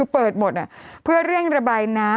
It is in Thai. กรมป้องกันแล้วก็บรรเทาสาธารณภัยนะคะ